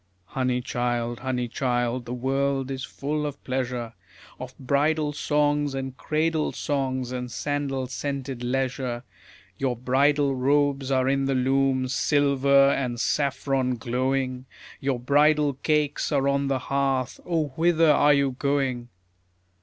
Honey, child, honey, child, the world is full of pleasure, Of bridal songs and cradle songs and sandal scented leisure. Your bridal robes are in the loom, silver and saffron glowing, Your bridal cakes are on the hearth: O whither are you going?